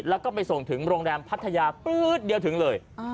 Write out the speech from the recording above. แล้วก็ไปส่งถึงโรงแรมพัทยาปื๊ดเดียวถึงเลย